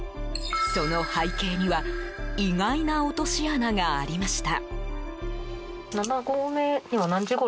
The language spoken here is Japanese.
その背景には意外な落とし穴がありました。